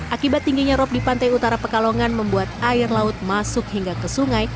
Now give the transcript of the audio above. akibat tingginya rop di pantai utara pekalongan membuat air laut masuk hingga ke sungai